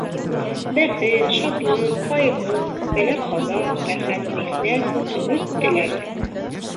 Бәхет, шатлык, ҡайғы, бәлә-ҡаза, рәхәт-михнәт, өмөт-теләк